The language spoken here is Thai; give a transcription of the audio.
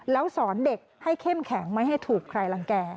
แล้วสอนเด็กให้เข้มแข็งไม่ให้ถูกใครรังแก่